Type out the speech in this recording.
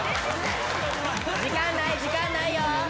時間ない時間ないよ！